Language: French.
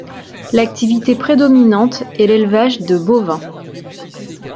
L'activité prédominante est l'élevage de bovins.